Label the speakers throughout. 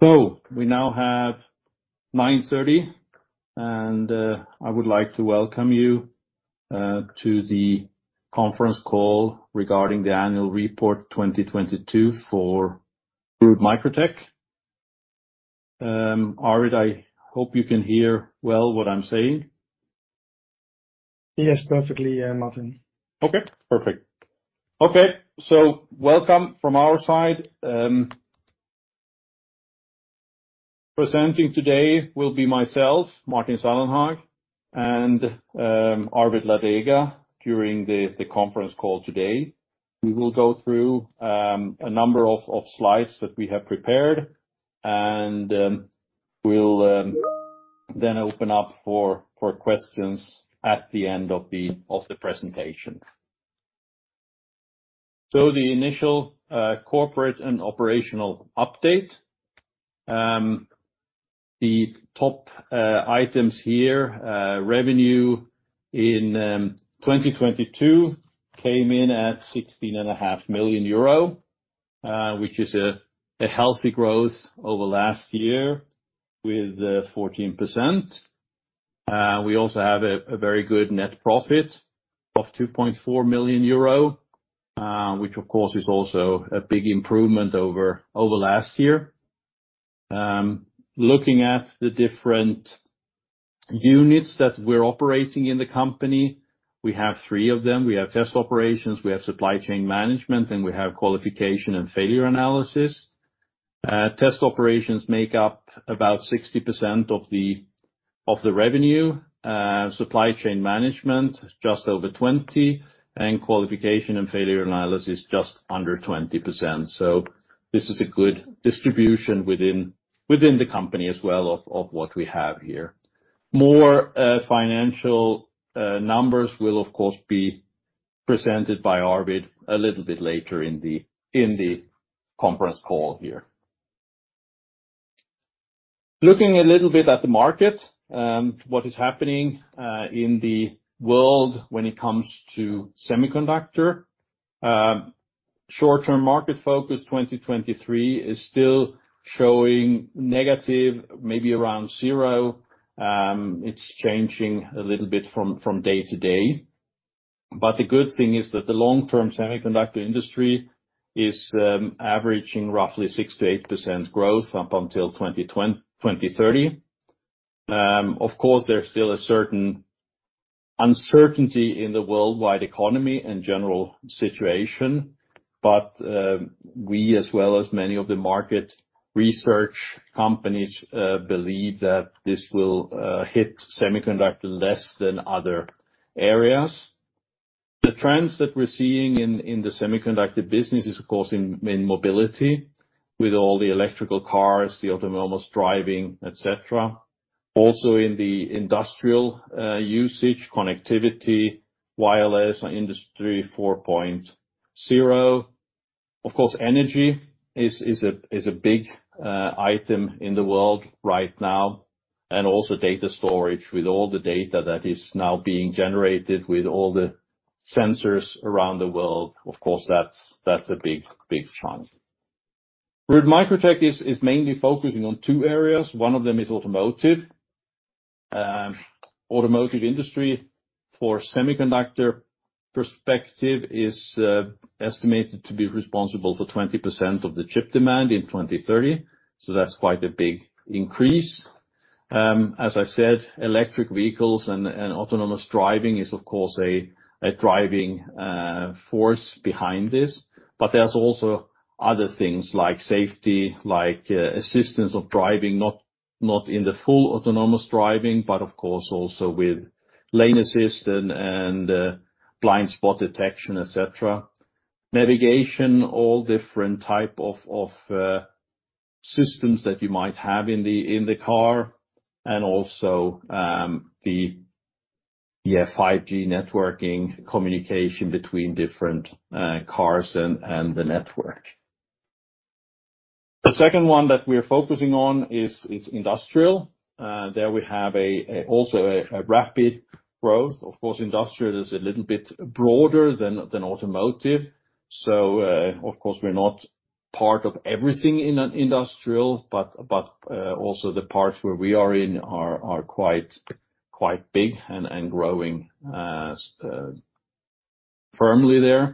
Speaker 1: We now have 9:30, and I would like to welcome you to the conference call regarding the annual report 2022 for RoodMicrotec. Arvid, I hope you can hear well what I'm saying.
Speaker 2: Yes, perfectly, yeah, Martin.
Speaker 1: Welcome from our side. Presenting today will be myself, Martin Sallenhag, and Arvid Ladega, during the conference call today. We will go through a number of slides that we have prepared and we'll then open up for questions at the end of the presentation. The initial corporate and operational update. The top items here, revenue in 2022 came in at 16.5 million euro, which is a healthy growth over last year with 14%. We also have a very good net profit of 2.4 million euro, which of course, is also a big improvement over last year. Looking at the different units that we're operating in the company, we have three of them. We have Test Operations, we have Supply Chain Management, and we have Qualification & Failure Analysis. Test Operations make up about 60% of the, of the revenue. Supply Chain Management just over 20%, and Qualification & Failure Analysis just under 20%. This is a good distribution within the company as well of what we have here. More financial numbers will, of course, be presented by Arvid a little bit later in the, in the conference call here. Looking a little bit at the market, what is happening in the world when it comes to semiconductor. Short-term market focus 2023 is still showing negative, maybe around zero. It's changing a little bit from day to day. The good thing is that the long-term semiconductor industry is averaging roughly 6% to 8% growth up until 2030. Of course, there's still a certain uncertainty in the worldwide economy and general situation. We, as well as many of the market research companies, believe that this will hit semiconductor less than other areas. The trends that we're seeing in the semiconductor business is of course, in mobility with all the electrical cars, the autonomous driving, et cetera. Also in the industrial usage, connectivity, wireless, Industry 4.0. Of course, energy is a big item in the world right now, and also data storage with all the data that is now being generated with all the sensors around the world. Of course, that's a big, big chunk. RoodMicrotec is mainly focusing on two areas. One of them is automotive. Automotive industry for semiconductor perspective is estimated to be responsible for 20% of the chip demand in 2030. That's quite a big increase. As I said, electric vehicles and autonomous driving is of course a driving force behind this. There's also other things like safety, like assistance of driving, not in the full autonomous driving, but of course also with lane assist and blind spot detection, et cetera. Navigation, all different type of systems that you might have in the car, and also the 5G networking communication between different cars and the network. The second one that we're focusing on is industrial. There we have also a rapid growth. Of course, industrial is a little bit broader than automotive. Of course, we're not part of everything in an industrial, but also the parts where we are in are quite big and growing firmly there.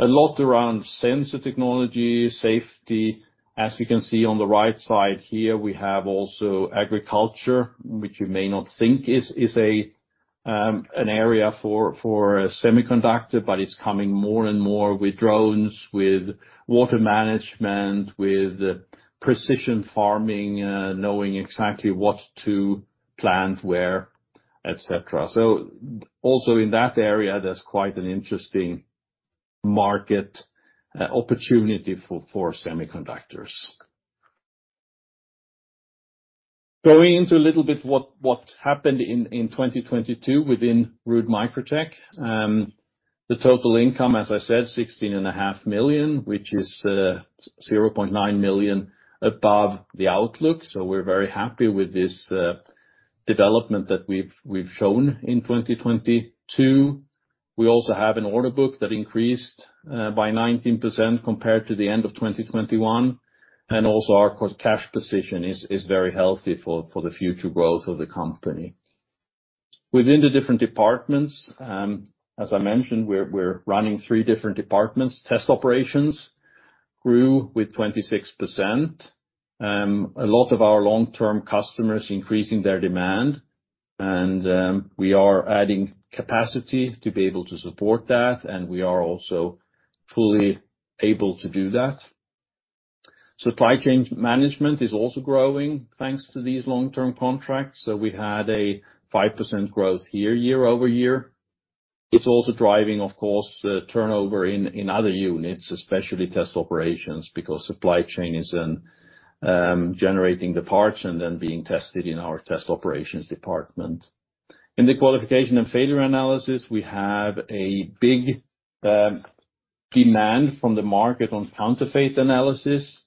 Speaker 1: A lot around sensor technology, safety. As you can see on the right side here, we have also agriculture, which you may not think is an area for a semiconductor, but it's coming more and more with drones, with water management, with precision farming, knowing exactly what to plant where, et cetera. Also in that area, there's quite an interesting market opportunity for semiconductors. Going into a little bit what happened in 2022 within RoodMicrotec. The total income, as I said, 16.5 million, which is 0.9 million above the outlook. We're very happy with this development that we've shown in 2022. We also have an order book that increased by 19% compared to the end of 2021, and also our cash position is very healthy for the future growth of the company. Within the three different departments, as I mentioned, we're running three different departments. Test Operations grew with 26%. A lot of our long-term customers increasing their demand, and we are adding capacity to be able to support that, and we are also fully able to do that. Supply Chain Management is also growing thanks to these long-term contracts. We had a 5% growth here year-over-year. It's also driving, of course, the turnover in other units, especially Test Operations, because Supply Chain isn't generating the parts and then being tested in our Test Operations department. In the Qualification & Failure Analysis, we have a big demand from the market on counterfeit analysis.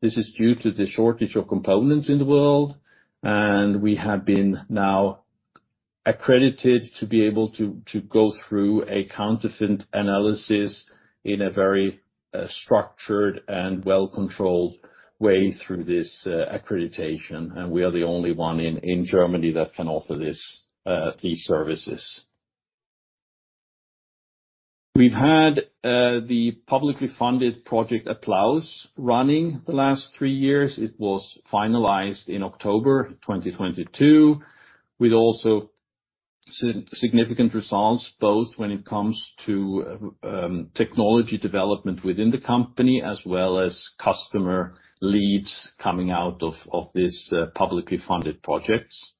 Speaker 1: This is due to the shortage of components in the world, and we have been now accredited to be able to go through a counterfeit analysis in a very structured and well-controlled way through this accreditation. We are the only one in Germany that can offer these services. We've had the publicly funded project APPLAUSE running the last three years. It was finalized in October 2022 with also significant results, both when it comes to technology development within the company as well as customer leads coming out of these publicly funded projects.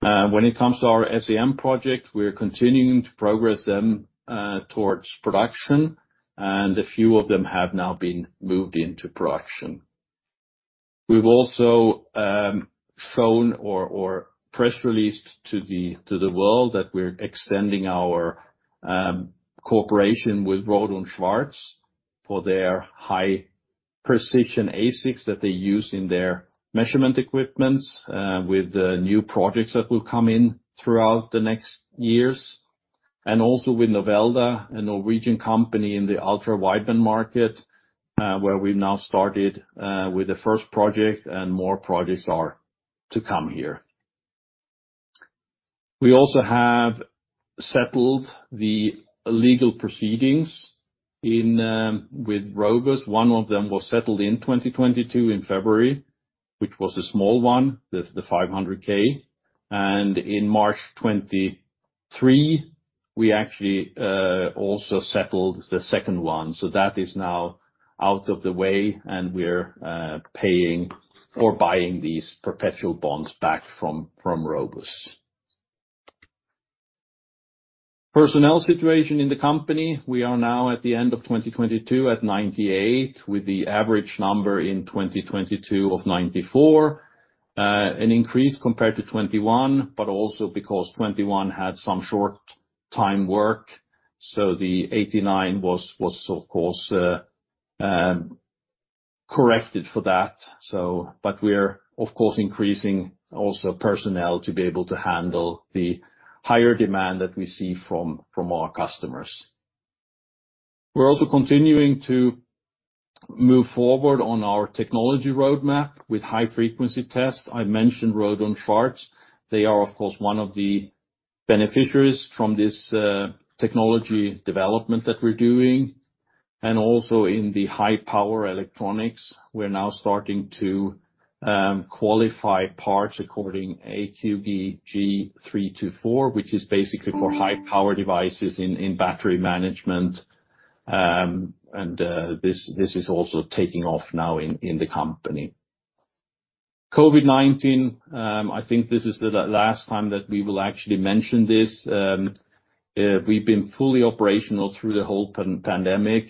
Speaker 1: When it comes to our SCM project, we are continuing to progress them towards production, and a few of them have now been moved into production. We've also shown or press released to the world that we're extending our cooperation with Rohde & Schwarz for their high precision ASICs that they use in their measurement equipments, with the new projects that will come in throughout the next years. Also with Novelda, a Norwegian company in the ultra-wideband market, where we've now started with the first project and more projects are to come here. We also have settled the legal proceedings in with Robus. One of them was settled in 2022 in February, which was a small one, the 500K. In March 2023, we actually also settled the second one. That is now out of the way, and we're paying or buying these perpetual bonds back from Robus. Personnel situation in the company, we are now at the end of 2022 at 98, with the average number in 2022 of 94. An increase compared to 2021, also because 2021 had some short time work. The 89 was of course corrected for that. We're, of course, increasing also personnel to be able to handle the higher demand that we see from our customers. We're also continuing to move forward on our technology roadmap with high frequency tests. I mentioned Rohde & Schwarz. They are, of course, one of the beneficiaries from this technology development that we're doing. Also in the high power electronics, we're now starting to qualify parts according AQG 324, which is basically for high power devices in battery management. This is also taking off now in the company. COVID-19, I think this is the last time that we will actually mention this. We've been fully operational through the whole pan-pandemic.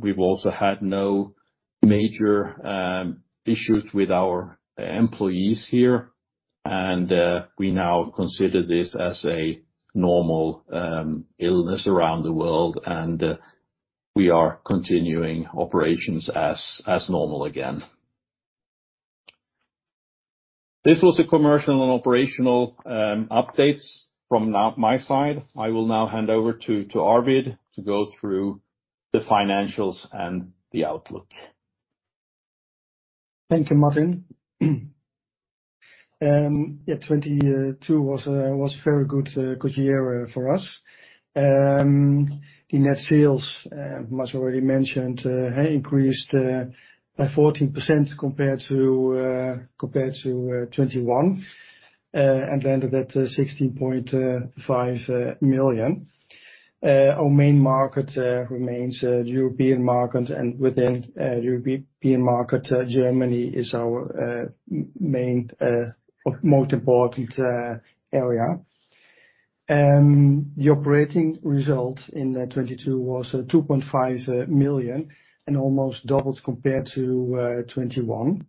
Speaker 1: We've also had no major issues with our employees here, we now consider this as a normal illness around the world, and we are continuing operations as normal again. This was the commercial and operational updates from my side. I will now hand over to Arvid to go through the financials and the outlook.
Speaker 2: Thank you, Martin. 2022 was a very good year for us. The net sales Martin already mentioned increased by 14% compared to 2021 and landed at 16.5 million. Our main market remains European market, and within European market, Germany is our main most important area. The operating result in 2022 was 2.5 million and almost doubled compared to 2021.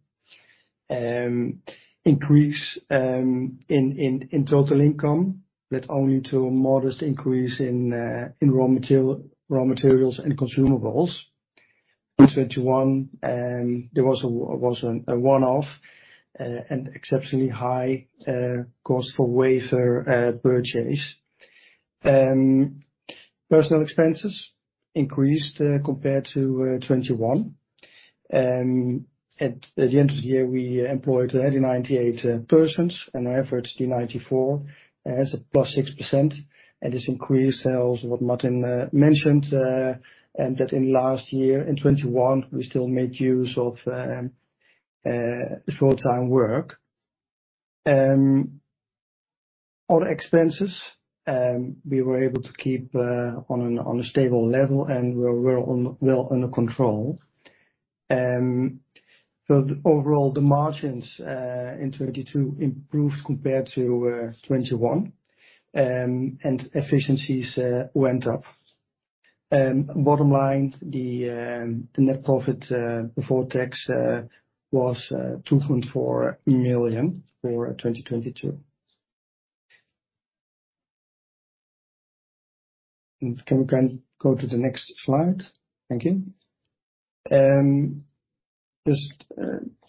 Speaker 2: Increase in total income led only to a modest increase in raw materials and consumables. In 2021, there was a one-off, an exceptionally high cost for wafer purchase. Personal expenses increased compared to 2021. At the end of the year, we employed 98 persons and our efforts in 94 as a +6%. This increase tells what Martin mentioned, and that in last year, in 2021, we still make use of full-time work. Other expenses, we were able to keep on a stable level and we're well under control. Overall the margins in 2022 improved compared to 2021, and efficiencies went up. Bottom line, the net profit before tax was 2.4 million for 2022. Can we go to the next slide? Thank you. Just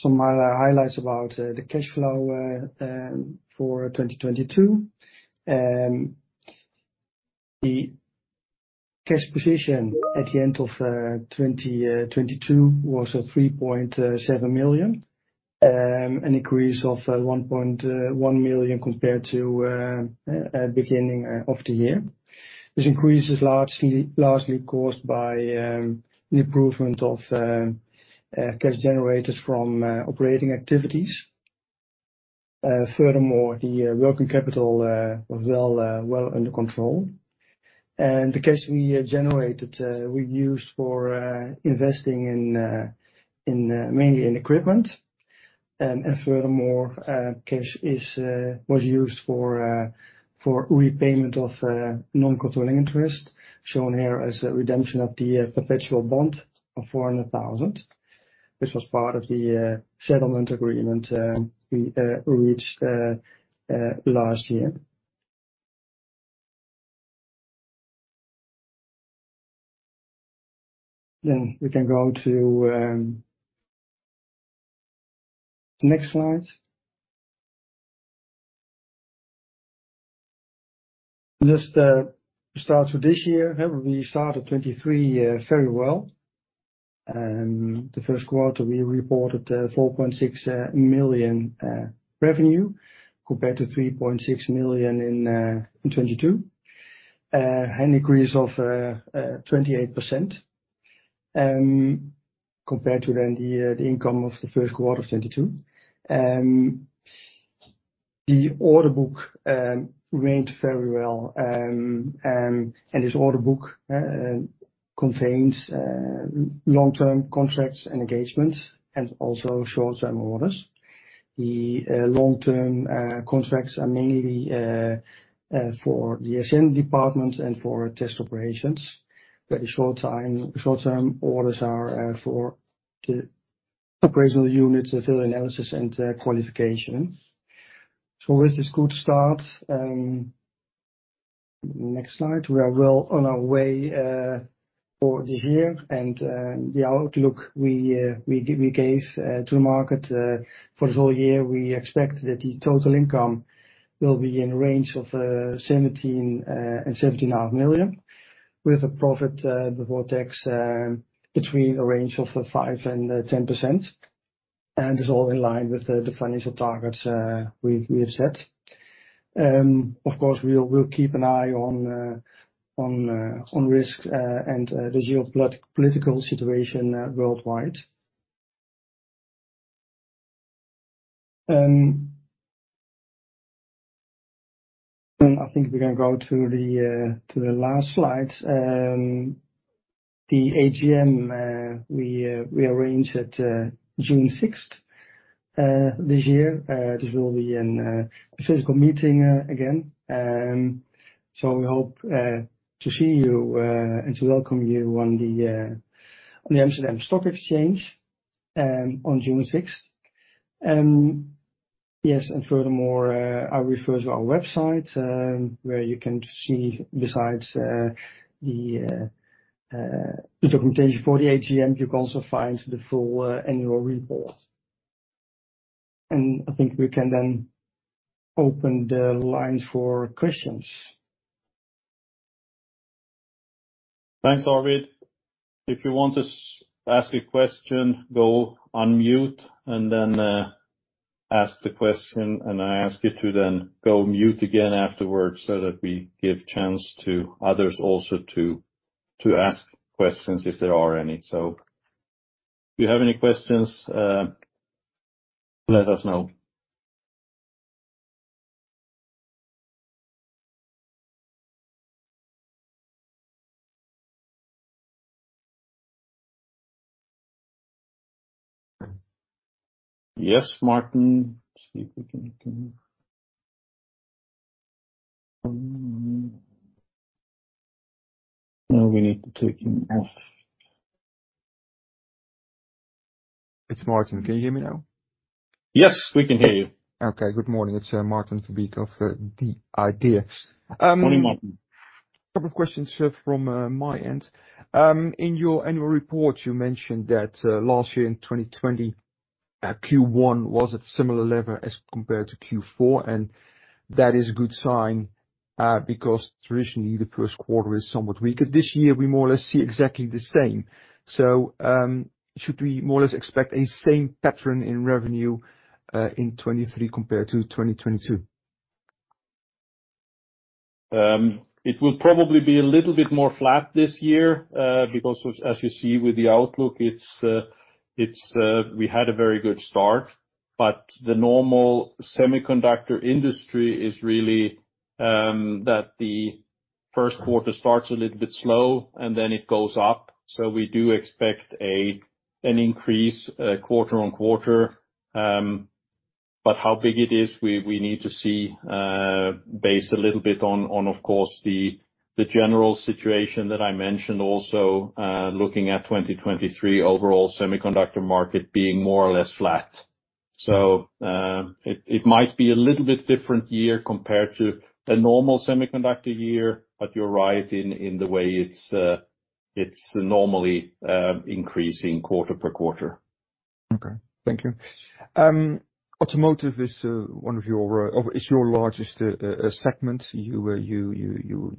Speaker 2: some highlights about the cash flow for 2022. The cash position at the end of 2022 was a 3.7 million, an increase of 1.1 million compared to beginning of the year. This increase is largely caused by an improvement of cash generated from operating activities. Furthermore, the working capital was well under control. The cash we generated, we used for investing in in mainly in equipment. Furthermore, cash is was used for for repayment of non-controlling interest, shown here as a redemption of the perpetual bond of 400,000. Which was part of the settlement agreement we reached last year. We can go to next slide. Just start with this year. We started 2023 very well. The first quarter, we reported 4.6 million revenue compared to 3.6 million in 2022. An increase of 28% compared to then the income of the first quarter of 2022. The order book remained very well. This order book contains long-term contracts and engagements and also short-term orders. The long-term contracts are mainly for the SCM department and for Test Operations. The short-term orders are for the operational units, the field analysis and qualification. With this good start, next slide, we are well on our way for this year. The outlook we gave to market for the whole year, we expect that the total income will be in range of 17 million-17.5 million, with a profit before tax between a range of 5% and 10%. It's all in line with the financial targets we have set. Of course, we'll keep an eye on risk and the geopolitical situation worldwide. I think we can go to the last slide. The AGM we arranged at June 6th this year. This will be a physical meeting again. We hope to see you and to welcome you on the Amsterdam Stock Exchange on June 6th. Furthermore, I refer to our website, where you can see besides the documentation for the AGM, you can also find the full annual report. I think we can then open the lines for questions.
Speaker 1: Thanks, Arvid. If you want to ask a question, go on mute and then ask the question, and I ask you to then go mute again afterwards so that we give chance to others also to ask questions if there are any. If you have any questions, let us know. Yes, Martin. See if we can... Now we need to take him off.
Speaker 3: It's Martin. Can you hear me now?
Speaker 1: Yes, we can hear you.
Speaker 3: Okay. Good morning. It's Martin Verbeet of IEX.
Speaker 1: Good morning, Martin.
Speaker 3: A couple of questions from my end. In your annual report, you mentioned that last year in 2020, Q1 was at similar level as compared to Q4, and that is a good sign, because traditionally, the first quarter is somewhat weaker. This year, we more or less see exactly the same. Should we more or less expect a same pattern in revenue in 2023 compared to 2022?
Speaker 1: It will probably be a little bit more flat this year, because as you see with the outlook, it's... We had a very good start. The normal semiconductor industry is really that the first quarter starts a little bit slow, and then it goes up. We do expect an increase quarter on quarter. How big it is, we need to see, based a little bit on, of course, the general situation that I mentioned, looking at 2023 overall semiconductor market being more or less flat. It might be a little bit different year compared to a normal semiconductor year, but you're right in the way it's normally increasing quarter per quarter.
Speaker 3: Okay. Thank you. Automotive is your largest segment you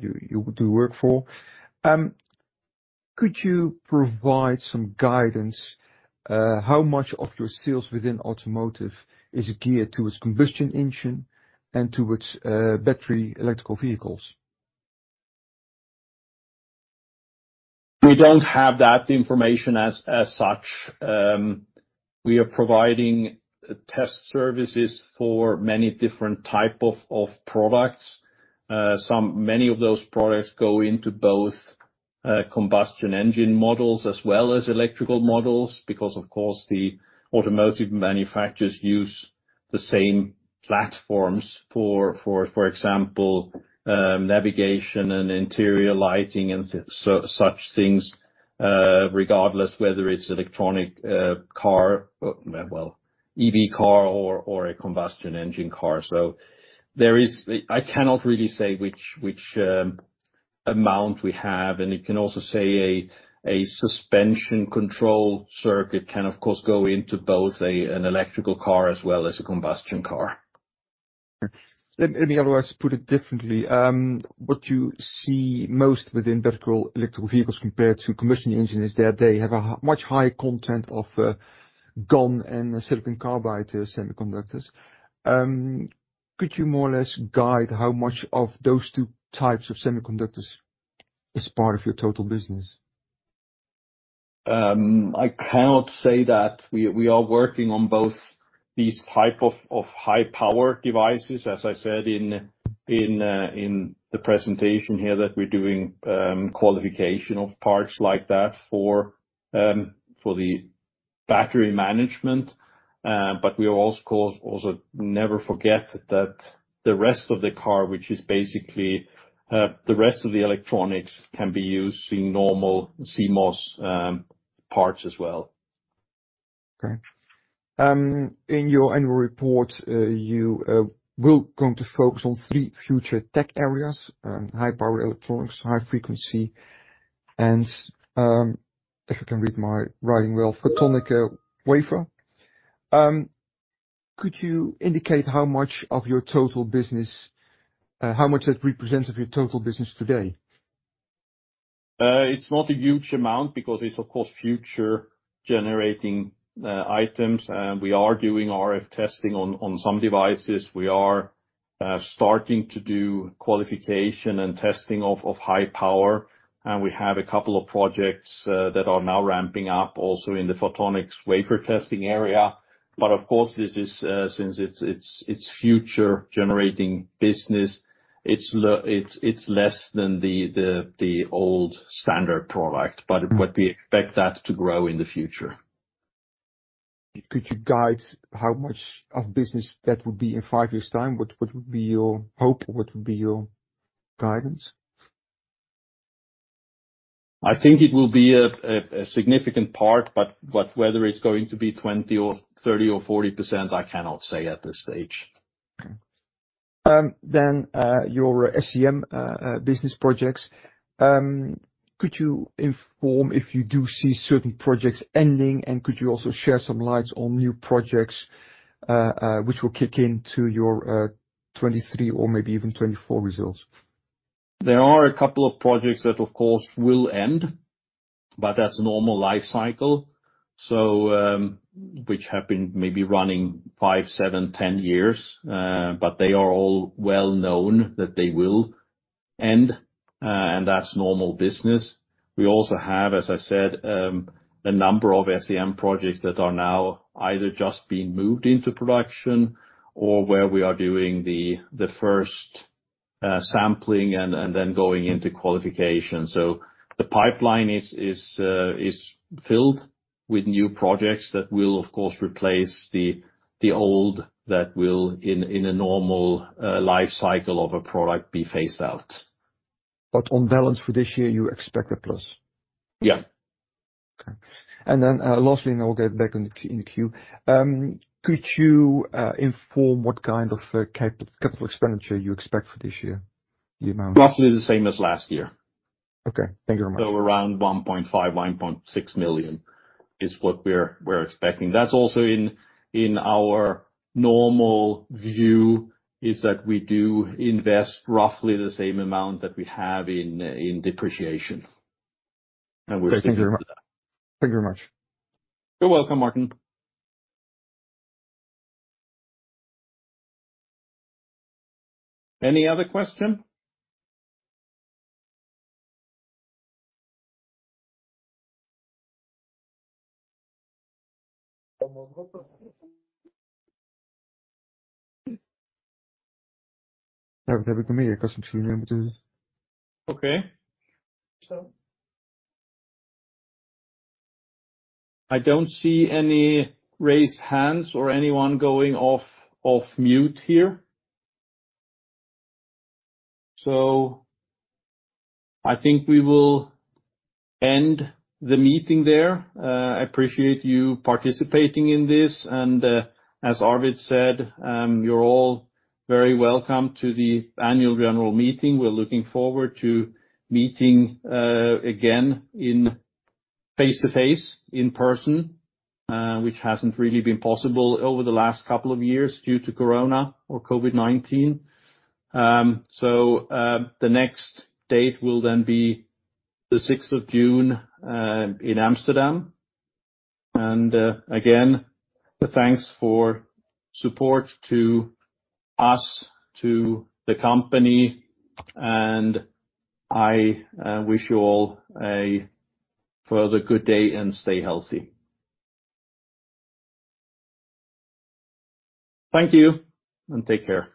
Speaker 3: do work for. Could you provide some guidance, how much of your sales within automotive is geared towards combustion engine and towards battery electrical vehicles?
Speaker 1: We don't have that information as such. We are providing test services for many different type of products. many of those products go into both combustion engine models as well as electrical models because, of course, the automotive manufacturers use the same platforms for example, navigation and interior lighting and so, such things, regardless whether it's electronic car, well, EV car or a combustion engine car. I cannot really say which amount we have. It can also, say, a suspension control circuit can, of course, go into both an electrical car as well as a combustion car.
Speaker 3: Let me otherwise put it differently. What you see most within vertical electrical vehicles compared to combustion engine is that they have a much higher content of GaN and silicon carbide semiconductors. Could you more or less guide how much of those two types of semiconductors is part of your total business?
Speaker 1: I cannot say that. We are working on both these type of high-power devices, as I said in the presentation here, that we're doing qualification of parts like that for the battery management. We also never forget that the rest of the car, which is basically, the rest of the electronics can be used in normal CMOS parts as well.
Speaker 3: Okay. In your annual report, you will come to focus on three future tech areas: high power electronics, high frequency, and, if you can read my writing well, photonics wafer. Could you indicate how much that represents of your total business today?
Speaker 1: It's not a huge amount because it's, of course, future generating items. We are doing RF testing on some devices. We are starting to do qualification and testing of high power. We have a couple of projects that are now ramping up also in the photonics wafer testing area. Of course, this is, since it's future generating business, it's less than the old standard product.
Speaker 3: Mm-hmm.
Speaker 1: We expect that to grow in the future.
Speaker 3: Could you guide how much of business that would be in five years' time? What would be your hope? What would be your guidance?
Speaker 1: I think it will be a significant part, but whether it's going to be 20% or 30% or 40%, I cannot say at this stage.
Speaker 3: Okay. Your SCM business projects, could you inform if you do see certain projects ending, and could you also share some lights on new projects, which will kick into your 2023 or maybe even 2024 results?
Speaker 1: There are a couple of projects that, of course, will end, but that's normal life cycle. Which have been maybe running five, seven, 10 years, but they are all well known that they will end, and that's normal business. We also have, as I said, a number of SCM projects that are now either just being moved into production or where we are doing the first, sampling and then going into qualification. The pipeline is filled with new projects that will, of course, replace the old that will, in a normal, life cycle of a product, be phased out.
Speaker 3: On balance for this year, you expect a plus?
Speaker 1: Yeah.
Speaker 3: Okay. Lastly, and I'll get back in the queue. Could you inform what kind of capital expenditure you expect for this year? The amount.
Speaker 1: Roughly the same as last year.
Speaker 3: Okay. Thank you very much.
Speaker 1: Around 1.5 million-1.6 million is what we're expecting. That's also in our normal view, is that we do invest roughly the same amount that we have in depreciation. We're sticking to that.
Speaker 3: Thank you very much.
Speaker 1: You're welcome, Martin. Any other question? Okay. I don't see any raised hands or anyone going off mute here. I think we will end the meeting there. I appreciate you participating in this. As Arvid said, you're all very welcome to the annual general meeting. We're looking forward to meeting again in face-to-face, in-person, which hasn't really been possible over the last couple of years due to corona or COVID-19. The next date will then be the 6th of June in Amsterdam. Again, thanks for support to us, to the company, and I wish you all a further good day and stay healthy. Thank you, and take care.